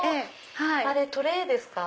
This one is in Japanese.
あれトレーですか？